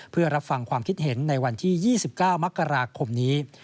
เพื่อรับฟังความคิดเห็นในวันที่๒๙มกราคมนี้